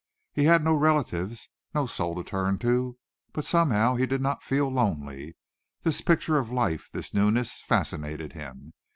He had no relatives, no soul to turn to, but somehow he did not feel lonely. This picture of life, this newness, fascinated him.